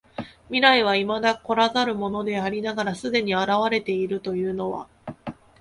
未来は未だ来らざるものでありながら既に現れているというのは、